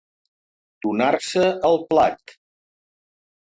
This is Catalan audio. Donar-se al plat.